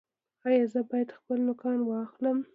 ایا زه باید خپل نوکان واخلم؟